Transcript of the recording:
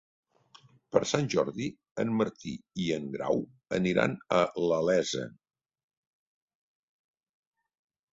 Per Sant Jordi en Martí i en Grau aniran a la Iessa.